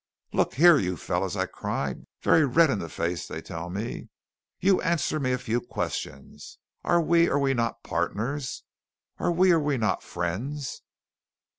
"Look here, you fellows!" I cried, very red in the face, they tell me. "You answer me a few questions. Are we or are we not partners? Are we or are we not friends?